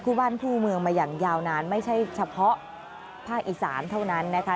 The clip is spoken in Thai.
คู่บ้านคู่เมืองมาอย่างยาวนานไม่ใช่เฉพาะภาคอีสานเท่านั้นนะคะ